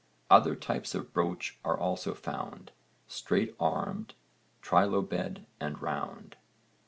Other types of brooch are also found straight armed, trilobed and round.